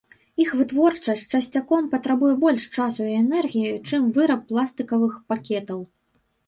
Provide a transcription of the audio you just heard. Іх вытворчасць часцяком патрабуе больш часу і энергіі, чым выраб пластыкавых пакетаў.